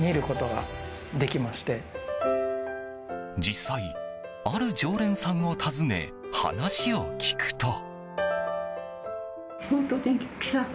実際、ある常連さんを訪ね話を聞くと。